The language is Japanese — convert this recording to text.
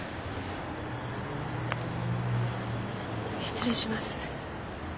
失礼します。